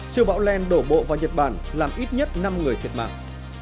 siêu bão len đổ bộ vào nhật bản làm ít nhất năm người thiệt mạng